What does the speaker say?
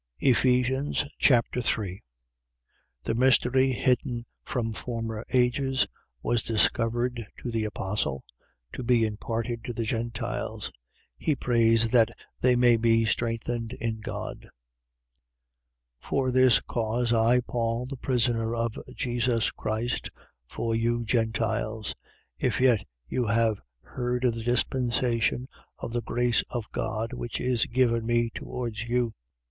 Ephesians Chapter 3 The mystery hidden from former ages was discovered to the apostle, to be imparted to the Gentiles. He prays that they may be strengthened in God. 3:1. For this cause, I Paul, the prisoner of Jesus Christ, for you Gentiles: 3:2. If yet you have heard of the dispensation of the grace of God which is given me towards you: 3:3.